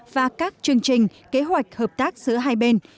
và các chương trình kế hoạch hợp tác giữa hai bên